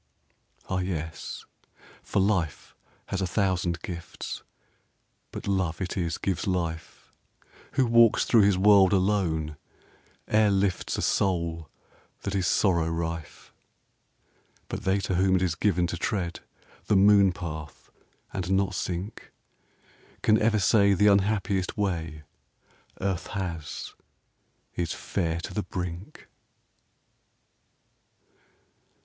Ah, yes, for life has a thousand gifts, But love it is gives life. Who walks thro his world alone e'er lifts A soul that is sorrow rife. But they to whom it is given to tread The moon path and not sink Can ever say the unhappiest way Earth has is fair to the brink.